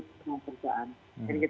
bpjs nata kerjaan agar